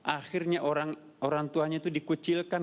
akhirnya orang tuanya itu dikucilkan